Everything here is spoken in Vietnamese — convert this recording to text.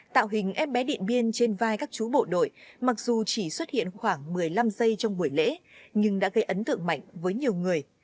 tạo hình em bé điện biên trên vai các chú bộ đội mặc dù chỉ xuất hiện khoảng một mươi năm giây trong buổi lễ nhưng đã gây ấn tượng mạnh với nhiều người